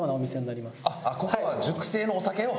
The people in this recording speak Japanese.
ここは熟成のお酒を。